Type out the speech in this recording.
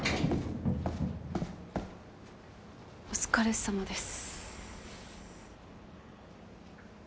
お疲れさまです。